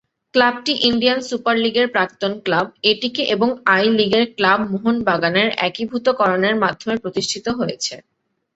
ক্লাবটি Indian super লীগের প্রাক্তন ক্লাব এটিকে এবং আই-লিগের ক্লাব মোহনবাগানের একীভূতকরণের মাধ্যমে প্রতিষ্ঠিত হয়েছে।